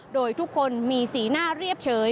โดยทุกคนมีสีหน้าเรียบเฉย